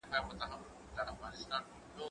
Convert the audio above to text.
زه بايد امادګي ونيسم؟